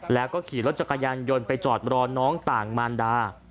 แล้วก็ขี่รถจักรยานยนต์ไปจอดรอน้องต่างมารดา